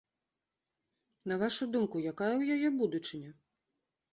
На вашу думку, якая ў яе будучыня?